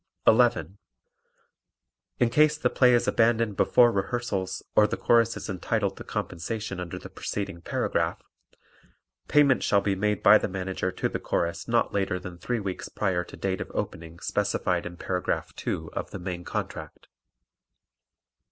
11. In case the play is abandoned before rehearsals or the Chorus is entitled to compensation under the preceding paragraph, payment shall be made by the Manager to the Chorus not later than three weeks prior to date of opening specified in Paragraph 2 of the main contract.